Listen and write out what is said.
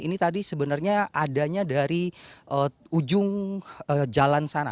ini tadi sebenarnya adanya dari ujung jalan sana